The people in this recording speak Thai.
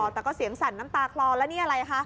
แต่ก็เสียงสั่นน้ำตาคลอแล้วนี่อะไรคะ